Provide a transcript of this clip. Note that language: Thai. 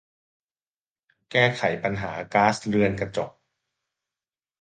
แก้ไขปัญหาก๊าซเรือนกระจก